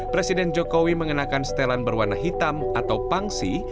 presiden jokowi mengenakan setelan berwarna hitam atau pangsi